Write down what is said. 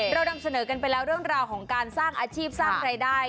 เรานำเสนอกันไปแล้วเรื่องราวของการสร้างอาชีพสร้างรายได้